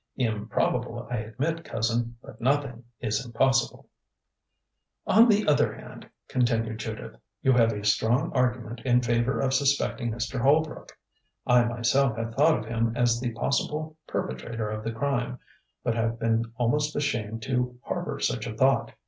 "Improbable, I admit, Cousin; but nothing is impossible." "On the other hand," continued Judith, "you have a strong argument in favor of suspecting Mr. Holbrook. I myself have thought of him as the possible perpetrator of the crime, but have been almost ashamed to harbor such a thought.